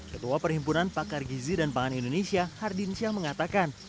ketua perhimpunan pakar gizi dan pangan indonesia hardin syah mengatakan